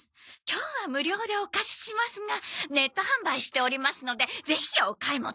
今日は無料でお貸ししますがネット販売しておりますのでぜひお買い求めください。